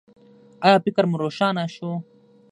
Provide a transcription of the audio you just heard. ایا فکر مو روښانه شو؟